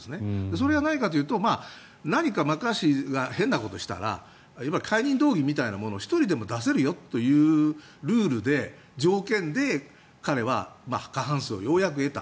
それが何かというと何かマッカーシーが変なことをしたらいわゆる解任動議みたいなものを１人でも出せるよという条件で彼は過半数をようやく得た。